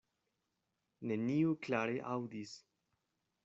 Neniu klare aŭdis.